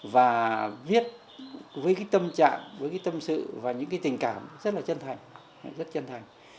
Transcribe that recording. và viết với cái tâm trạng với cái tâm sự và những cái tình cảm rất là chân thành rất chân thành